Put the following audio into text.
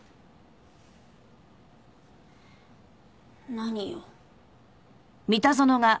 何よ。